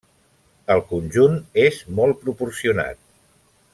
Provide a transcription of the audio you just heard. El conjunt és molt proporcionat.